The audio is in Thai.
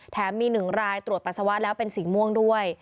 มี๑รายตรวจปัสสาวะแล้วเป็นสีม่วงด้วย